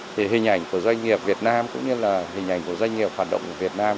thì hình ảnh của doanh nghiệp việt nam cũng như là hình ảnh của doanh nghiệp hoạt động ở việt nam